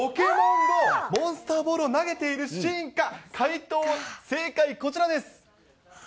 モンスターボールを投げているシーンか、正解はこちらです。